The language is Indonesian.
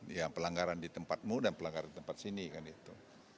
ya pelanggaran di tempatmu dan pelanggaran di tempat sini kan itu